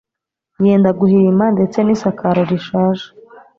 yenda guhirima ndetse n'isakaro rishaje,